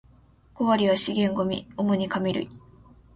五割は資源ゴミ、主に紙類